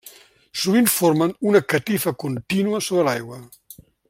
Sovint formen una catifa contínua sobre l'aigua.